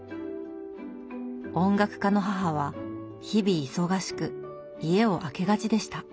音楽家の母は日々忙しく家を空けがちでした。